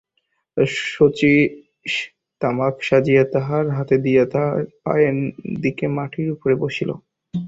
শচীশ তামাক সাজিয়া তাঁর হাতে দিয়া তাঁর পায়ের দিকে মাটির উপরে বসিল।